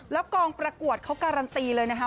แล้วกองประกวดเขาการันตีเลยนะคะ